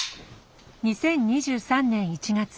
２０２３年１月。